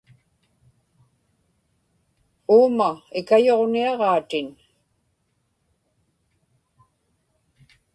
uuma ikayuġniaġaatin